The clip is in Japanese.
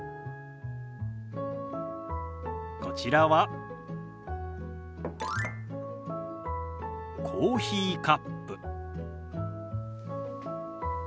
こちらはコーヒーカップ。